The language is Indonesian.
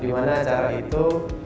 dimana acara itu